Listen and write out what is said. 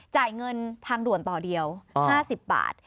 จ่ายเงินทางด่วนต่อเดียว๕๐บาท